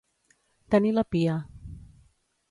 Tenir la pia.